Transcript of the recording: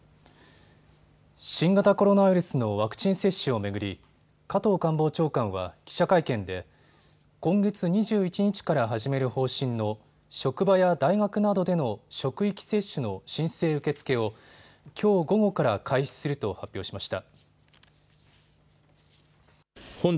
新型コロナウイルスのワクチン接種を巡り、加藤官房長官は記者会見で今月２１日から始める方針の職場や大学などでの職域接種の申請受け付けをきょう午後から開始すると発表しました。